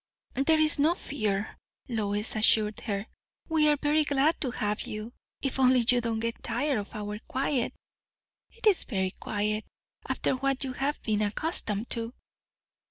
"There is no fear," Lois assured her. "We are very glad to have you. If only you do not get tired of our quiet. It is very quiet, after what you have been accustomed to."